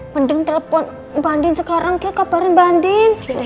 mending telepon mbak andin sekarang dia kabarin mbak andin